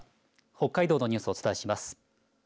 北海道のニュースをお伝えします。